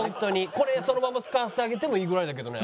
これそのまま使わせてあげてもいいぐらいだけどね。